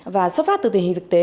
và sắp phát từ tình hình thực tế